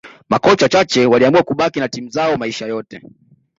makocha wachache waliamua kubaki na timu zao maisha yote